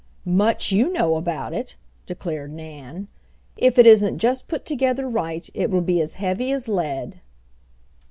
"Much you know about it!" declared Nan. "If it isn't just put together right, it will be as heavy as lead."